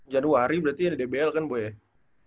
januari berarti ada dbl kan bu ya